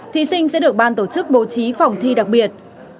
thí sinh sẽ được ban tổ chức bố trí phòng thi đặc biệt